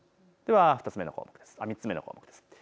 ３つ目の項目です。